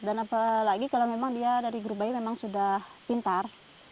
dan apalagi kalau memang dia dari grup bayi memang sudah pintar